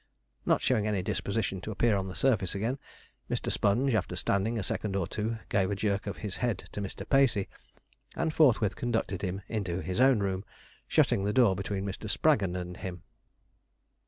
Not showing any disposition to appear on the surface again, Mr. Sponge, after standing a second or two, gave a jerk of his head to Mr. Pacey, and forthwith conducted him into his own room, shutting the door between Mr. Spraggon and him.